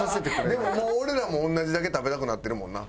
でももう俺らも同じだけ食べたくなってるもんな。